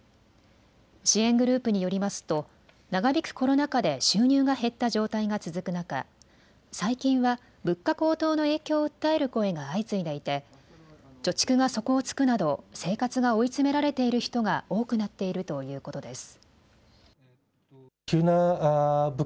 支援グループによりますと長引くコロナ禍で収入が減った状態が続く中、最近は物価高騰の影響を訴える声が相次いでいて貯蓄が底をつくなど生活が追い詰められている人が多くなっているということです。